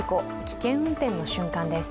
危険運転の瞬間です。